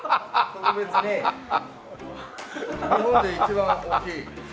特別に日本で一番大きいカニを。